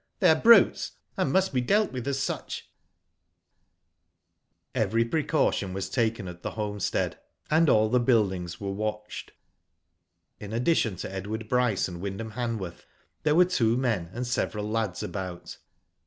"They are brutes, and must be dealt with as such/' Every precaution was taken at the homestead, and all the buildings were watched. In addition to Edward Bryce and Wyndham Hanworth, there were two men and several lads about.